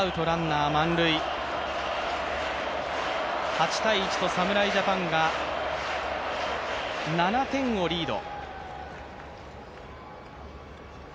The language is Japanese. ８−１と侍ジャパンが７点をリード。